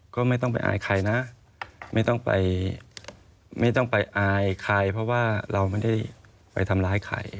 ก็ไม่ต้องไปอายใครนะไม่ต้องไปไม่ต้องไปอายใครเพราะว่าเราไม่ได้ไปทำร้ายใคร